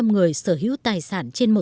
hai trăm linh người sở hữu tài sản trên